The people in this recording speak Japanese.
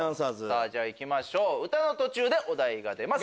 じゃあいきましょう歌の途中でお題が出ます。